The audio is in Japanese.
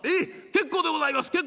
「結構でございます」。